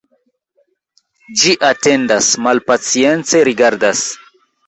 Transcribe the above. Ĝi atendas, malpacience rigardas.